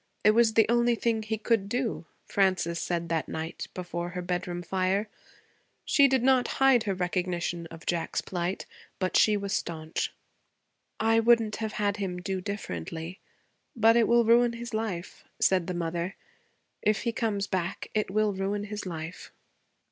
It was the only thing he could do,' Frances said that night before her bedroom fire. She did not hide her recognition of Jack's plight, but she was staunch. 'I wouldn't have had him do differently. But it will ruin his life,' said the mother. 'If he comes back, it will ruin his life.'